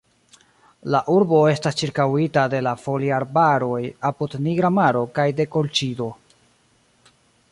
La urbo estas ĉirkaŭita de la Foliarbaroj apud Nigra Maro kaj de Kolĉido.